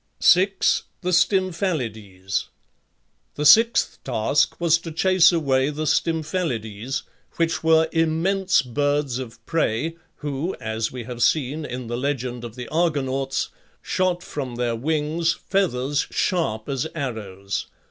6. THE STYMPHALIDES. The sixth task was to chase away the Stymphalides, which were immense birds of prey who, as we have seen (in the legend of the Argonauts), shot from their wings feathers sharp as arrows.